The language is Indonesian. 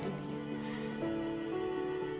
supaya aku bisa dapetin rahmat